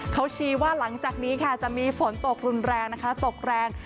เขาชี้ว่าหลังจากนี้ค่ะจะมีฝนตกรุนแรงนะคะตกแรง